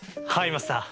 マスター。